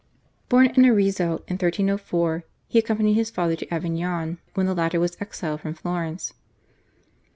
Born in Arezzo in 1304, he accompanied his father to Avignon when the latter was exiled from Florence.